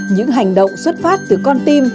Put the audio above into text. những hành động xuất phát từ con tim